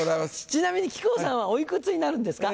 ちなみに木久扇さんはおいくつになるんですか？